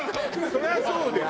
そりゃそうですよ。